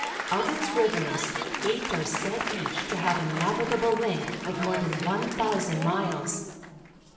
Of its rivers eight are said each to have a navigable length of more than one thousand miles.